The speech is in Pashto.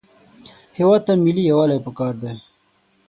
هېواد ته ملي یووالی پکار دی